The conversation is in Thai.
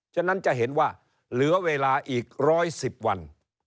ฉะนั้นจะเห็นว่าเหลือเวลาอีก๑๑๐วัน